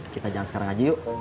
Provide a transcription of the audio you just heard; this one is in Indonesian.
kita jalan sekarang aja yuk